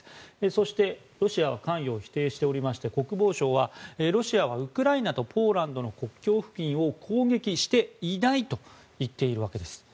そしてロシアは関与を否定しておりまして国防省はロシアはウクライナとポーランドの国境付近を攻撃していないと言っているわけです。